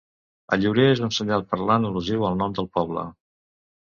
El llorer és un senyal parlant al·lusiu al nom del poble.